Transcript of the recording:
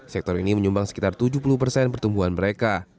sektor ini menyumbang sekitar tujuh puluh persen pertumbuhan mereka